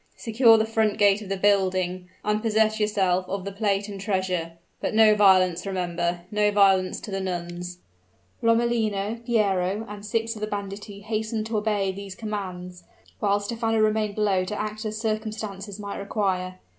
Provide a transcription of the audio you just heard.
Secure the front gate of the building, and possess yourself of the plate and treasure. But no violence, remember no violence to the nuns." Lomellino, Piero, and six of the banditti hastened to obey these commands, while Stephano remained below to act as circumstances might require.